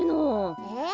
えっ？